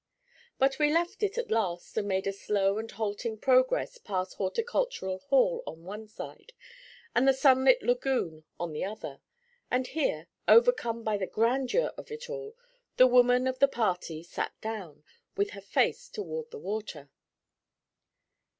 But we left it at last and made a slow and halting progress past Horticultural Hall on one side and the sunlit lagoon on the other; and here, overcome by the grandeur of it all, the woman of the party sat down, with her face toward the water.